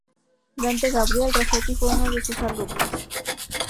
Dante Gabriel Rossetti fue uno de sus alumnos.